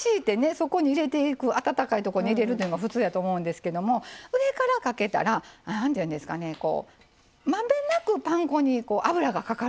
そこに入れていく温かいとこに入れるというんが普通やと思うんですけども上からかけたら何ていうんですかねまんべんなくパン粉に油がかかるんです。